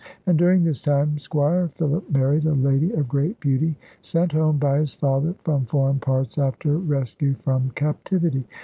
And during this time Squire Philip married a lady of great beauty, sent home by his father from foreign parts after rescue from captivity.